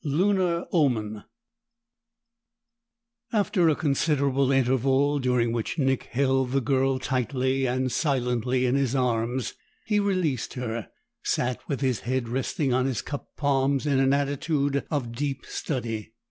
28 Lunar Omen After a considerable interval, during which Nick held the girl tightly and silently in his arms, he released her, sat with his head resting on his cupped palms in an attitude of deep study.